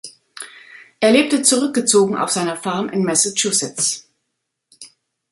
Er lebte zurückgezogen auf seiner Farm in Massachusetts.